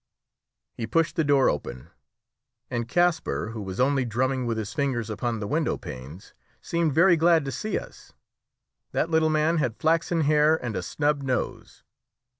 He pushed the door open; and Kasper, who was only drumming with his fingers upon the window panes, seemed very glad to see us. That little man had flaxen hair and a snub nose.